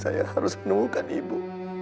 saya harus menemukan ibu